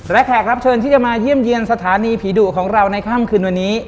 และแขกรับเชิญที่จะมาเยี่ยมเยี่ยมสถานีผีดุของเราในค่ำคืนวันนี้